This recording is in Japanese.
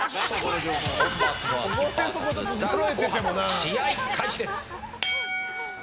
試合開始です。